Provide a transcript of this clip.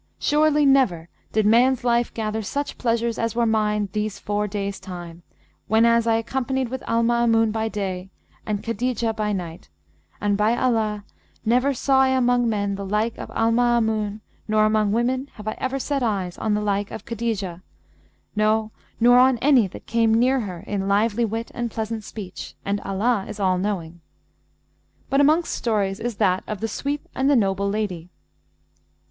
Surely never did man's life gather such pleasures as were mine these four days' time, whenas I companied with Al Maamun by day and Khadijah by night; and, by Allah, never saw I among men the like of Al Maamun nor among women have I ever set eyes on the like of Khadijah; no, nor on any that came near her in lively wit and pleasant speech! And Allah is All knowing. But amongst stories is that of THE SWEEP AND THE NOBLE LADY.